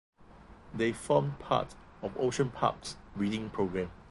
They formed part of Ocean Park's breeding programme.